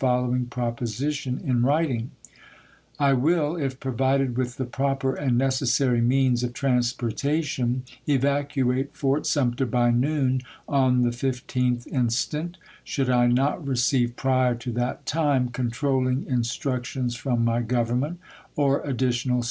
following proposition in writing: I will, if provided with the proper and necessary means of transportation, evacuate Fort Sumter by noon on the 15th instant should I not receive prior to that time con trollino; instructions from my Grovernment, or additional